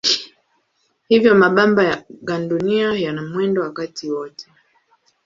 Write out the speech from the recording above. Hivyo mabamba ya gandunia yana mwendo wakati wote.